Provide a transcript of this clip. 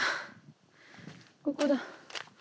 ここだ。